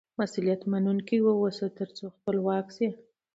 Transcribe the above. مسئولیت منونکی واوسه، تر څو خپلواک سې.